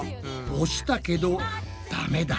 おしたけどダメだ。